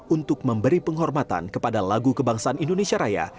untuk memberi penghormatan kepada lagu kebangsaan indonesia raya